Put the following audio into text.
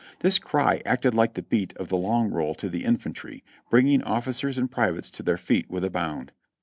This cry acted like the beat of the long roll to the infantry, bringing officers and pri vates to their feet with a bound.